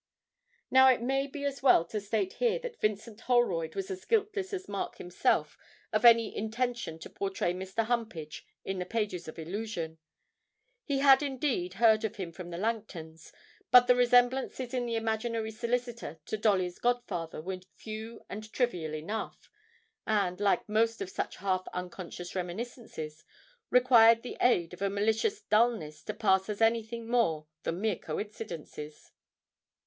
Now it may be as well to state here that Vincent Holroyd was as guiltless as Mark himself of any intention to portray Mr. Humpage in the pages of 'Illusion'; he had indeed heard of him from the Langtons, but the resemblances in the imaginary solicitor to Dolly's godfather were few and trivial enough, and, like most of such half unconscious reminiscences, required the aid of a malicious dulness to pass as anything more than mere coincidences.